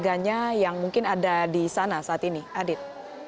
keluarganya yang mungkin ada di sana saat ini adit